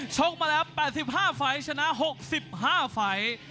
ชกมาแล้ว๘๕ไฟล์ชนะ๖๕ไฟล์